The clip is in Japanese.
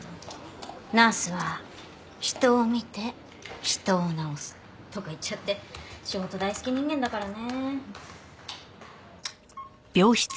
「ナースは人を見て人を治す」とか言っちゃって仕事大好き人間だからね。